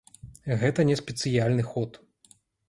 Гэта не спецыяльны ход.